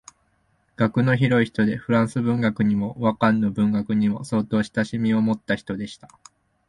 学の広い人で仏文学にも和漢の文学にも相当親しみをもった人でした